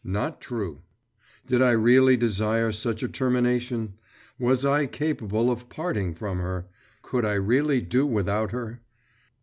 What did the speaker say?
… Not true! Did I really desire such a termination? Was I capable of parting from her? Could I really do without her?